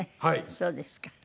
そうですか。